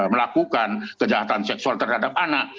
melakukan kejahatan seksual terhadap anak